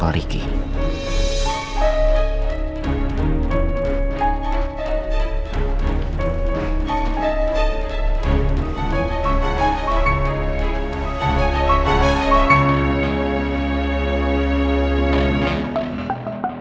akan disini pak